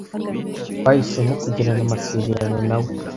Twahisemo kugirana amasezerano na we.